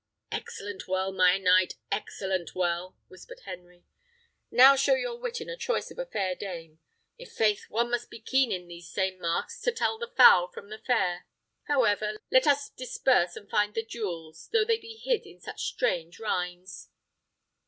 "Excellent well, my knight! excellent well!" whispered Henry. "Now show your wit in choice of a fair dame. I'faith, one must be keen in these same masks to tell the foul from the fair. However, let us disperse and find the jewels, though they be hid in such strange rinds."